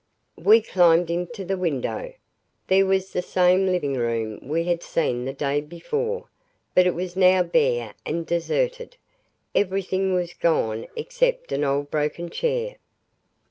We climbed into the window. There was the same living room we had seen the day before. But it was now bare and deserted. Everything was gone except an old broken chair.